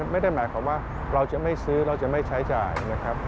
ไม่ได้หมายความว่าเราจะไม่ซื้อเราจะไม่ใช้จ่ายนะครับ